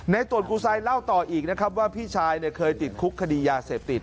ตรวจกูไซเล่าต่ออีกนะครับว่าพี่ชายเคยติดคุกคดียาเสพติด